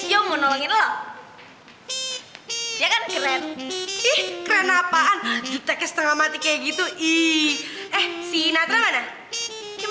ih ternyata gue bisa gurus lagi